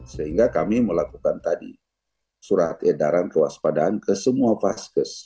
sehingga kami melakukan tadi surat edaran kewaspadaan ke semua vaskes